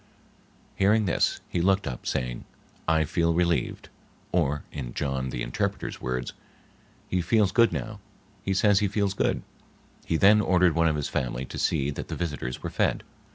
Hearing this, he looked up, saying, "I feel relieved"; or, in John the interpreter's words, "He feels good now, he says he feels good." He then ordered one of his family to see that the visitors were fed.